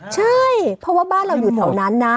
ใช่เพราะว่าบ้านเราอยู่แถวนั้นนะ